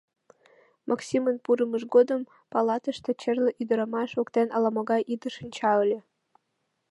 Максимын пурымыж годым палатыште черле ӱдырамаш воктен ала-могай ӱдыр шинча ыле.